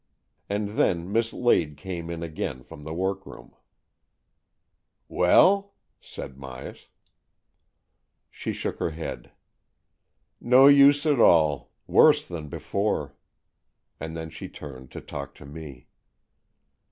And then Miss Lade came in again from the workroom. "Well?" said Myas. 78 AN EXCHANGE OF SOULS She shook her head. " No use at all. Worse than before." And then she turned to talk to me.